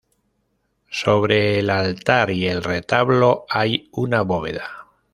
Sobre el altar y el retablo hay una bóveda.